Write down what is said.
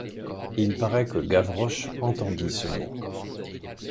Il paraît que Gavroche entendit ce mot.